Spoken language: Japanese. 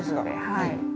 はい。